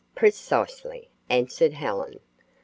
"Precisely," answered Helen.